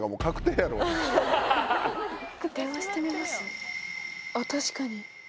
確かに。